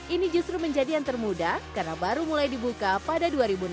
ini justru menjadi yang termuda karena baru mulai dibuka pada dua ribu enam belas